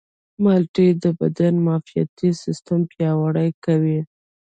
مالټې د بدن معافیتي سیستم پیاوړی کوي.